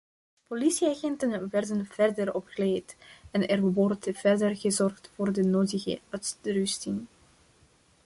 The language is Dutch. Politieagenten werden verder opgeleid en er wordt verder gezorgd voor de nodige uitrusting.